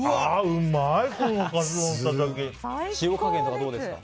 うまい！